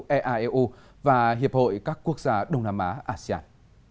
eaeu và hiệp hội các quốc gia đông nam á asean